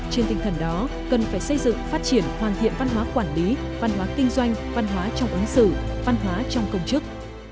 trên tinh thần đó cần phải xây dựng phát triển hoàn thiện văn hóa quản lý văn hóa kinh doanh văn hóa trong ứng xử văn hóa trong công chức